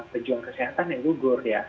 pejuang kesehatan yang gugur ya